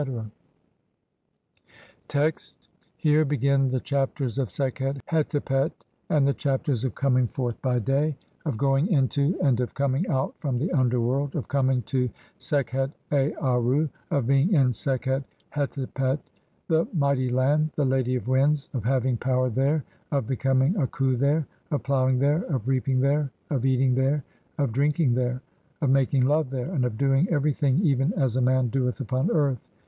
Text : (1) Here begin the Chapters of Sekhet Hetepet, and the Chapters of Coming forth by Day; of going 172 THE CHAPTERS OF COMING FORTH BY DAY. INTO AND OF COMING OUT FROM THE UNDERWORLD ; OF COMING TO Sekhet Aaru; OF BEING IN SEKHET (2)HETEPET, THE MIGHTY LAND, THE LADY OF WINDS ; OF HAVING POWER THERE; OF BECOMING A KHU THERE ; OF PLOUGHING THERE ; OF REAP ING THERE; OF EATING THERE; OF DRINKING THERE; OF MAKING LOVE (3) THERE; AND OF DOING EVERYTHING EVEN AS A MAN DOETH UPON EARTH.